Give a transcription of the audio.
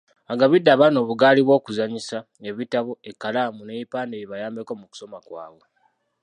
Agabidde abaana obugaali bw’okuzannyisa, ebitabo, ekkalaamu n’ebipande bibayambeko mu kusoma kwabwe.